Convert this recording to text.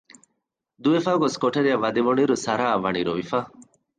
ދުވެފައި ގޮސް ކޮޓަރިއަށް ވަދެވުނުއިރު ސަރާއަށްވަނީ ރޮވިފަ